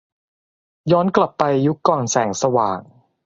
ย้อนกลับไปยุคก่อนแสงสว่าง